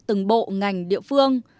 từng bộ ngành địa phương